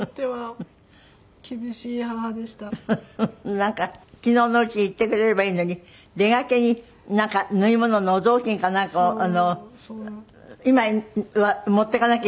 なんか昨日のうちに言ってくれればいいのに出がけになんか縫い物のお雑巾かなんかを今持っていかなきゃいけない。